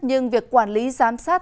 nhưng việc quản lý giám sát